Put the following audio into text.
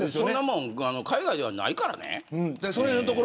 そんなもん海外ではないから。